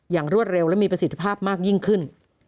รวดเร็วและมีประสิทธิภาพมากยิ่งขึ้น